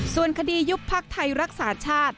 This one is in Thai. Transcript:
ส่วนคดียุบพักไทยรักษาชาติ